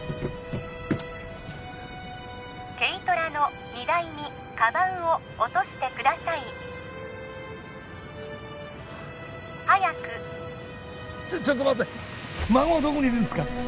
軽トラの荷台にカバンを落としてください早くちょっと待って孫はどこにいるんすか？